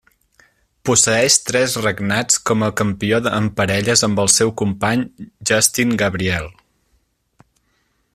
Posseeix tres regnats com a Campió en Parelles amb el seu company Justin Gabriel.